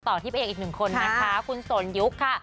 ที่พระเอกอีกหนึ่งคนนะคะคุณสนยุคค่ะ